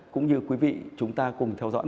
cũng như quý vị chúng ta cùng theo dõi